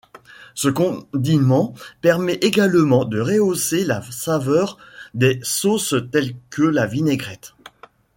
Ce condiment permet également de rehausser la saveur des sauces telles que la vinaigrette.